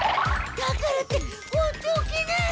だからって放っておけない！